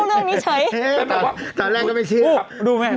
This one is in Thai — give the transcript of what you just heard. อุ้ยอยู่ดินเข้าเรื่องนี้เฉย